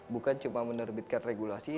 bukan cuma menerbitkan regulasi